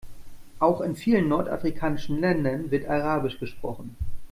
Auch in vielen nordafrikanischen Ländern wird arabisch gesprochen.